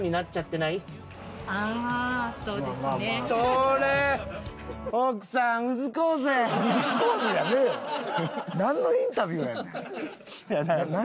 なんのインタビューやねん！